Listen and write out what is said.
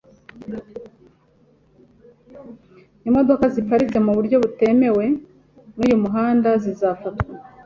Imodoka ziparitse mu buryo butemewe n’uyu muhanda zizafatwa.